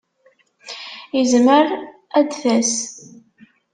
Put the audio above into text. Izmer ad d-tas.